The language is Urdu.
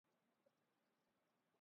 ان کی بے چارگی ہمارے سامنے ہے۔